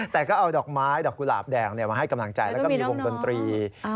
แต่ก็เอาดอกไม้ดอกกุหลาบแดงมาให้กำลังใจแล้วก็มีวงดนตรี